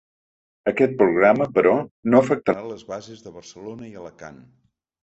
Aquest programa, però, no afectarà les bases de Barcelona i Alacant.